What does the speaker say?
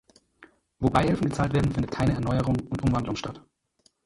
Wo Beihilfen gezahlt werden, findet keine Erneuerung und Umwandlung statt.